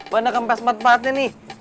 banda kempes empat empatnya nih